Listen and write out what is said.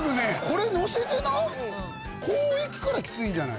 これのせてな